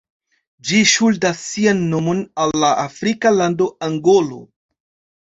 Ĝi ŝuldas sian nomon al la afrika lando Angolo.